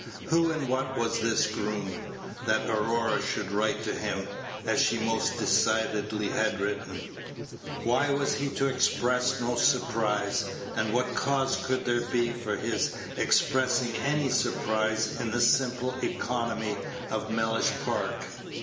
Who and what was this groom, that Aurora should write to him, as she most decidedly had written? Why was he to express no surprise, and what cause could there be for his expressing any surprise in the simple economy of Mellish Park?